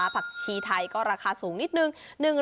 ผักชีไทยก็ราคาสูงนิดนึง